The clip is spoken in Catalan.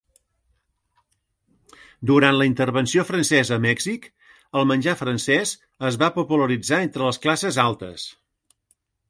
Durant la intervenció francesa a Mèxic, el menjar francès es va popularitzar entre les classes altes.